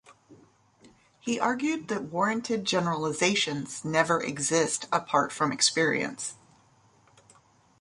He argued that warranted generalizations never exist apart from experience.